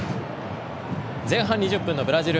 前半２０分のブラジル。